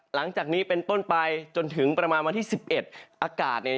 หลังจากนี้เป็นต้นไปจนถึงประมาณวันวันที่๑๑การ์ต